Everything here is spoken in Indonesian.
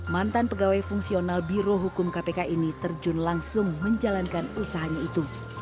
mantan pegawai fungsional biro hukum kpk ini terjun langsung menjalankan usahanya itu